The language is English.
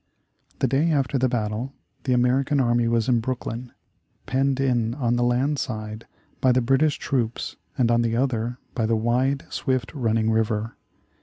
The day after the battle, the American army was in Brooklyn, penned in on the land side by the British troops and on the other by the wide, swift running river.